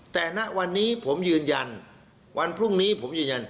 แต่ณวันนี้ผมยืนยันวันพรุ่งนี้ผมยืนยัน